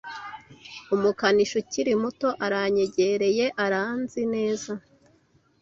Umukanishi ukiri muto aranyegereye, aranzi neza,